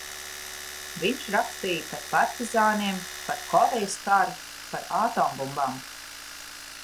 Viņš rakstīja par partizāniem, par Korejas karu, par atombumbām.